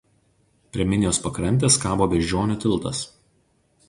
Prie Minijos pakrantės kabo „beždžionių tiltas“.